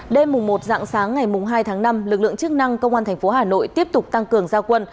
đêm một dạng sáng ngày hai tháng năm lực lượng chức năng công an tp hà nội tiếp tục tăng cường gia quân